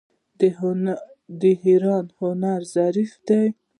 د ایران هنر ظریف دی.